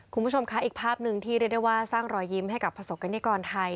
คุณผู้ชมคะอีกภาพหนึ่งที่เรียกได้ว่าสร้างรอยยิ้มให้กับประสบกรณิกรไทย